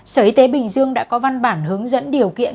sở y tế bình dương đã có văn bản hướng dẫn điều kiện